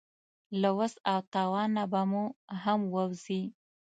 له وس او توان نه به مو هم ووځي.